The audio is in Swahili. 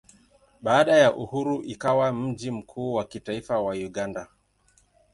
Baada ya uhuru ikawa mji mkuu wa kitaifa wa Uganda.